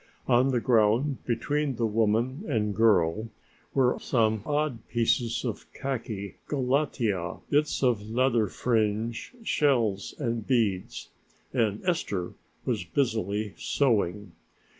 On the ground between the woman and girl were some odd pieces of khaki galatea, bits of leather fringe, shells and beads, and Esther was busily sewing.